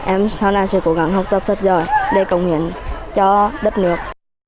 em sau này sẽ cố gắng học tập thật giỏi để cống hiến cho đất nước